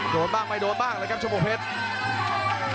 โดนบ้างไม่โดนบ้างแล้วกันชมพเพชร